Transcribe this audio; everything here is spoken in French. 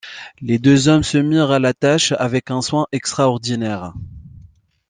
Les deux hommes se mirent à la tâche avec un soin extraordinaire.